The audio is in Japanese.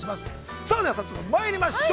さあ、では早速まいりましょう。